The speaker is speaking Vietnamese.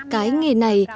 cái nghề này